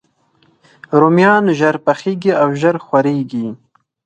رومیان ژر پخیږي او ژر خورېږي